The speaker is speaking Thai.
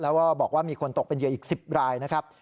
แล้วก็บอกว่ามีคนตกเป็นเหยื่ออีก๑๐รายนะครับ